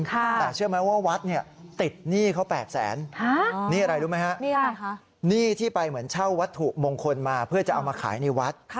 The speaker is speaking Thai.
แต่เชื่อไหมว่าวัดเนี่ยติดหนี้เขา๘แสนหนี้อะไรรู้ไหมฮะหนี้ที่ไปเหมือนเช่าวัตถุมงคลมาเพื่อจะเอามาขายในวัด